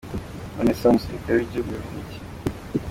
none se umusirikare w’igihugu bivuz’iki ?